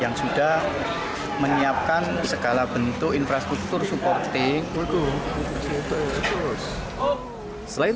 yang sudah menyiapkan segala bentuk infrastruktur supporting